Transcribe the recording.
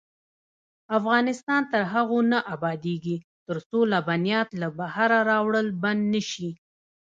افغانستان تر هغو نه ابادیږي، ترڅو لبنیات له بهره راوړل بند نشي.